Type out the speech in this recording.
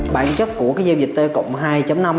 bản chất của giao dịch t hai